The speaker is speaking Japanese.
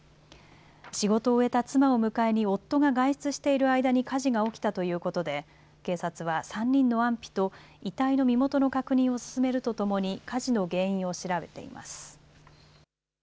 仕事を終えた妻を迎えに夫が外出している間に火事が起きたということで警察は３人の安否と遺体の身元の確認を進めるとともに火事の原因を調べています。